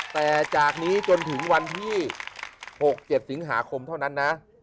แต่จากนี้จนถึงวันที่๖๗สิงหาคมเท่านั้นนะ